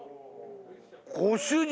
ご主人！